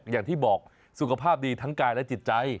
อย่างที่บอกสุขภาพดีทั้งกายและจิตใจ